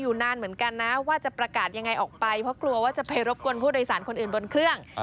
นานเหมือนกันนะว่าจะประกาศยังไงออกไปเพราะกลัวว่าจะไปรบกวนผู้โดยสารคนอื่นบนเครื่อง